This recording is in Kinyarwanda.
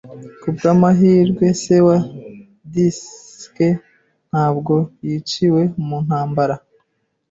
Ku bw'amahirwe, se wa Dick ntabwo yiciwe mu ntambara.